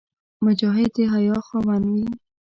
مجاهد د حیا خاوند وي.